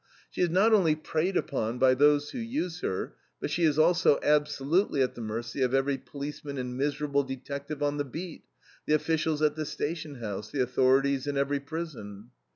She is not only preyed upon by those who use her, but she is also absolutely at the mercy of every policeman and miserable detective on the beat, the officials at the station house, the authorities in every prison.